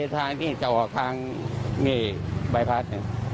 ทางเจ้าห่อทางบายพรรด์